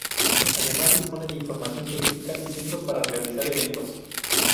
Además dispone de información turística y centro para realizar eventos.